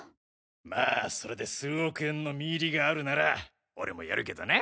まぁそれで数億円の実入りがあるなら俺もやるけどな。